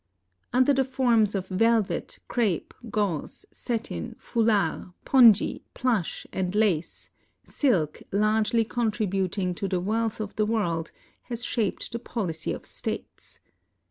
Under the forms of velvet, crape, gauze, satin, foulard, pongee, plush, and lace, silk, largely contributing to the wealth of the world, has shaped the policy of states.